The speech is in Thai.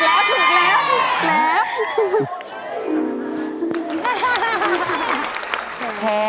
เช่นนางหันหน้าไปมองดวงแขน